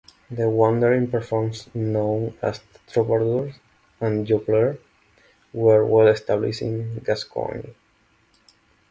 The wandering performers known as troubadours and jongleurs were well established in Gascony.